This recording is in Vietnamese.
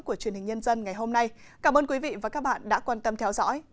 của truyền hình nhân dân ngày hôm nay cảm ơn quý vị và các bạn đã quan tâm theo dõi